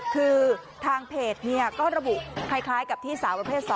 คือทางเพจก็ระบุคล้ายกับที่สาวประเภท๒